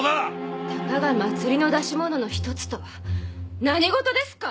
たかが祭りの出し物の一つとは何事ですか！